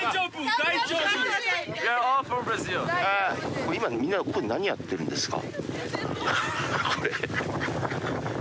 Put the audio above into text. これ今みんなここで何をやってるんですか？